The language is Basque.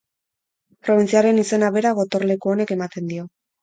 Probintziaren izena bera gotorleku honek ematen dio.